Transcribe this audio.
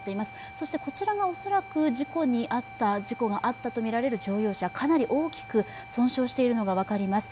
そして、こちらが恐らく事故があったと見られる乗用車かなり大きく損傷しているのが分かります。